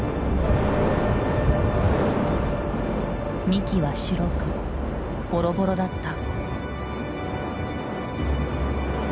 幹は白くボロボロだった。